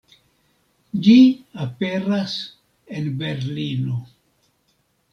Ĝi aperas en Berlino.